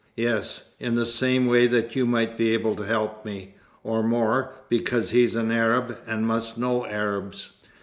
"Yes, in the same way that you might be able to help me or more, because he's an Arab, and must know Arabs."